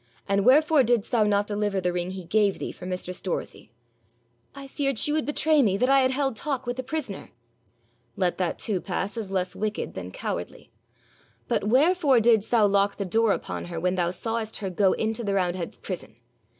And wherefore didst thou not deliver the ring he gave thee for mistress Dorothy?' 'I feared she would betray me, that I had held talk with the prisoner.' 'Let that too pass as less wicked than cowardly. But wherefore didst thou lock the door upon her when thou sawest her go into the roundhead's prison?